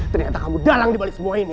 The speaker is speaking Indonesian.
ternyata kamu dalang di balik semua ini